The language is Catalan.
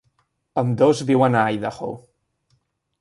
Ambdós viuen a Idaho.